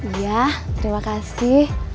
iya terima kasih